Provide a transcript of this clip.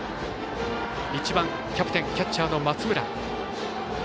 １番、キャプテンキャッチャーの松村。